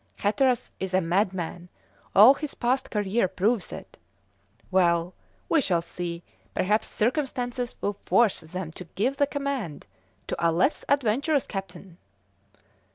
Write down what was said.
Hatteras is a madman; all his past career proves it. Well, we shall see; perhaps circumstances will force them to give the command to a less adventurous captain."